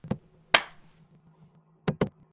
তুই কি বলতে চাচ্ছিস, আমি অভদ্র?